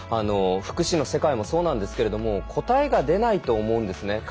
福祉の世界もそうなんですけれども答えが出ないと思うんですね。